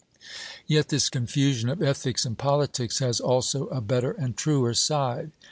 Yet this confusion of ethics and politics has also a better and a truer side.